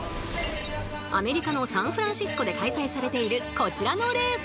アメリカのサンフランシスコで開催されているこちらのレース。